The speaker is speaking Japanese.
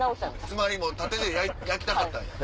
つまりもう縦で焼きたかったんや。